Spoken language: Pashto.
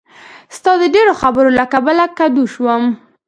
ستا د ډېرو خبرو له کبله کدو شوم.